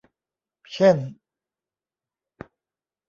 เช่น